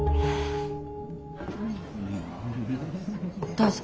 どうぞ。